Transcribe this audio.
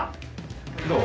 どう？